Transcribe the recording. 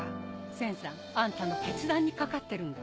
千さんあんたの決断に懸かってるんだ。